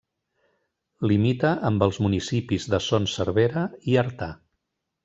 Limita amb els municipis de Son Servera i Artà.